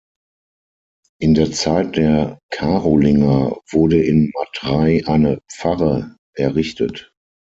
In der Zeit der Karolinger wurde in Matrei eine Pfarre errichtet.